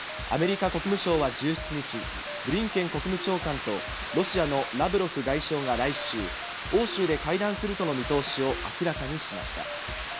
アメリカ国務省は１７日、ブリンケン国務長官と、ロシアのラブロフ外相が来週、欧州で会談するとの見通しを明らかにしました。